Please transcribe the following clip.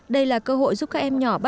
đây là cơ hội giúp các em nhỏ bất hại